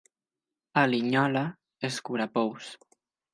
A Linyola, escurapous.